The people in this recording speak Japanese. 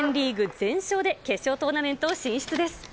全勝で決勝トーナメント進出です。